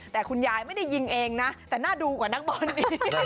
แต่คุณยายไม่ได้ยิงเองนะแต่น่าดูกว่านักบอล